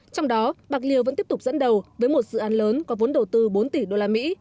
trong đó bạc liêu vẫn tiếp tục dẫn đầu với một dự án lớn có vốn đầu tư bốn tỷ usd